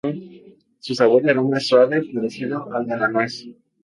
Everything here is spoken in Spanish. Su sabor y aroma es suave, parecido al de la nuez.